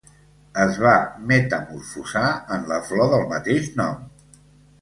Es va metamorfosar en la flor del mateix nom.